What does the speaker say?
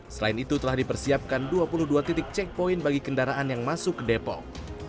selain itu telah dipersiapkan dua puluh dua titik checkpoint bagi kendaraan yang masuk ke depok